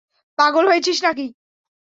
পাগল হয়েছিস না কি?